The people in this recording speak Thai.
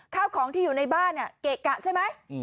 ข้าวของที่อยู่ในบ้านเกะกะใช่ไหม